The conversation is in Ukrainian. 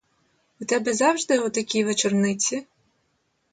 У тебе завжди отакі вечорниці?